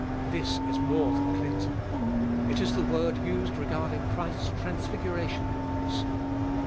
This is more than cleansing. It is the word used regarding Christ's transfiguration garments (Matt.